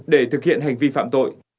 để thực hiện hành vi phạm tội